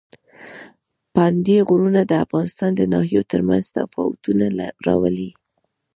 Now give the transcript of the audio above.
پابندي غرونه د افغانستان د ناحیو ترمنځ تفاوتونه راولي.